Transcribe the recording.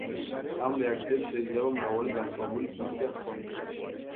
ამ რეაქციებს შეიძლება მრავალი განსხვავებული ფუნქცია ჰქონდეს.